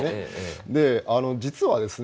で実はですね